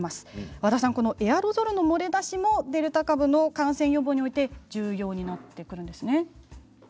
和田さん、このエアロゾルの漏れ出しもデルタ株の感染予防において重要になってくるんですね。